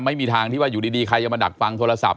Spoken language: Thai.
ไม่มีทางที่ว่าอยู่ดีใครจะมาดักฟังโทรศัพ